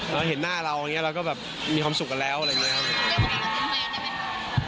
แล้วเห็นหน้าเราก็แบบมีความสุขกันแล้วอะไรอย่างนี้